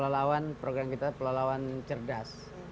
pelawan program kita pelalawan cerdas